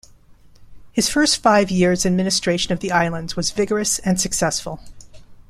His first five years' administration of the islands was vigorous and successful.